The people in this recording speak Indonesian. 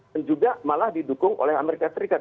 dan juga malah didukung oleh amerika serikat